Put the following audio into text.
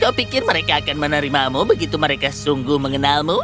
kau pikir mereka akan menerimamu begitu mereka sungguh mengenalmu